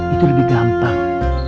itu lebih gampang